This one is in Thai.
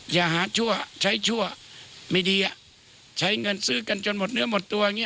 อย่าหาชั่วใช้ชั่วไม่ดีใช้เงินซื้อกันจนหมดเนื้อหมดตัวอย่างนี้